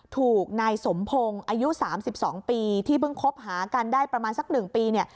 ถูกนายสมพงศ์อายุ๓๒ปีที่เพิ่งคบหากันได้ประมาณสัก๑ปีเนี่ย